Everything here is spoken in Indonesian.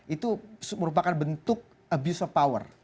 itu merupakan bentuk abuse of power